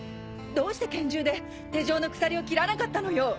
どうして拳銃で手錠の鎖を切らなかったのよ！